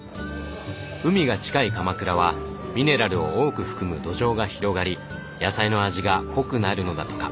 海が近い鎌倉はミネラルを多く含む土壌が広がり野菜の味が濃くなるのだとか。